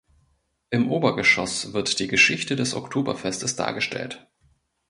Im Obergeschoss wird die Geschichte des Oktoberfestes dargestellt.